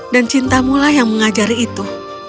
dan cintamulah yang mengajari itu